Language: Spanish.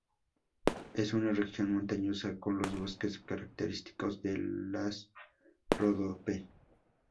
Es una región montañosa, con los bosques característicos de las Ródope.